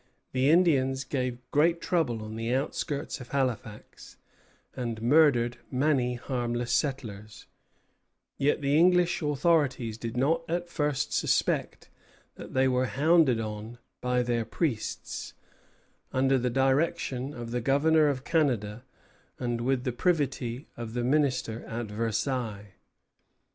The Indians gave great trouble on the outskirts of Halifax, and murdered many harmless settlers; yet the English authorities did not at first suspect that they were hounded on by their priests, under the direction of the Governor of Canada, and with the privity of the Minister at Versailles.